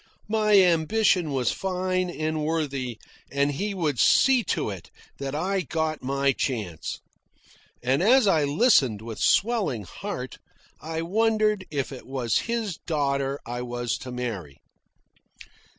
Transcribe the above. My ambition was fine and worthy, and he would see to it that I got my chance. (And as I listened with swelling heart, I wondered if it was his daughter I was to marry.)